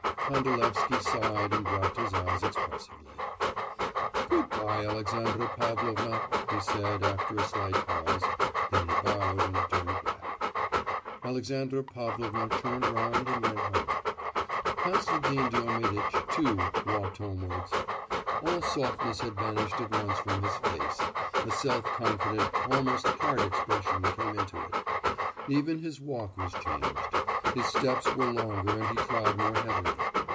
Pandalevsky sighed and dropped his eyes expressively. 'Good bye, Alexandra Pavlovna!' he said after a slight pause; then he bowed and turned back. Alexandra Pavlovna turned round and went home. Konstantin Diomiditch, too, walked homewards. All softness had vanished at once from his face; a self confident, almost hard expression came into it. Even his walk was changed; his steps were longer and he trod more heavily.